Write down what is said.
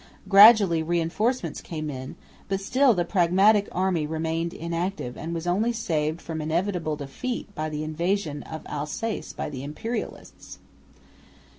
Gradually reinforcements came in, but still the Pragmatic army remained inactive and was only saved from inevitable defeat by the invasion of Alsace by the Imperialists.